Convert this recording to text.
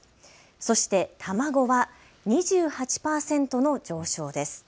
そして卵は２８％の上昇です。